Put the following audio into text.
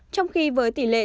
trong khi với tỷ lệ